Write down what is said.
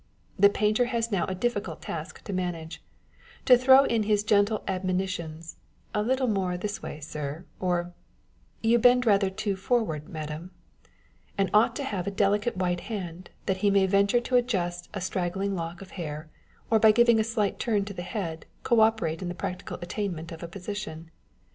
The painter has now a difficult task to manage â€" to throw in his gentle admoni tions, " A little more this way, sir," or " You bend rather too forward, madam," â€" and ought to have a delicate white hand, that he may venture to adjust a straggling lock of hair, or by giving a slight turn to the head, co operate in the practical attainment of a position.